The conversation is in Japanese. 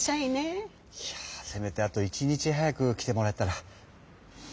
いやぁせめてあと１日早く来てもらえたら。